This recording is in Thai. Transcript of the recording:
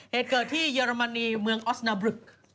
เหตุเกิดที่เยอรมนีเมืองออสนาบรึก